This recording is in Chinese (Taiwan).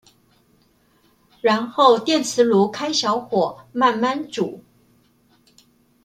然後電磁爐開小火慢慢煮